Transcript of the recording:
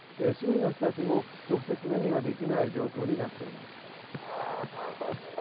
市民の人たちも、直接目にはできない状況になっています。